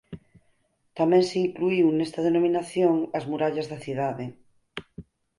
Tamén se incluíu nesta denominación as murallas da cidade.